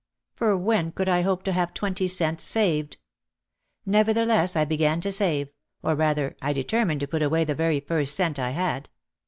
For when could I hope to have twenty cents saved ! Nevertheless I began to save, or rather, I determined to put away the very first cent I had.